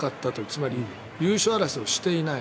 つまり、優勝争いをしていない。